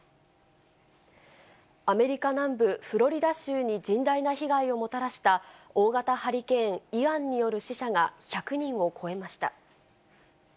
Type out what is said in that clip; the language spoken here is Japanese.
アメリカ南部フロリダ州に甚大な被害をもたらした、大型ハリケーン・イアンによる死者が１００人を超えました。